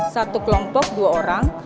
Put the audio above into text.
satu kelompok dua orang